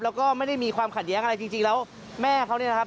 แล้วก็ไม่ได้มีความขัดแย้งอะไรจริงแล้วแม่เขาเนี่ยนะครับ